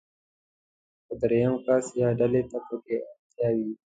خو درېم کس يا ډلې ته پکې اړتيا وي.